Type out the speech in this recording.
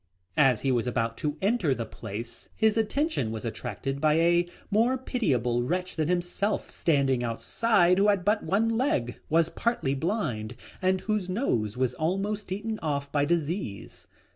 As he was about to enter the place his attention was attracted by a more pitiable wretch than himself standing outside who had but one leg, was partly blind, and whose nose was almost eaten off by disease.